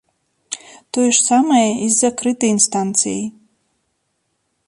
Тое ж самае і з закрытай інстанцыяй.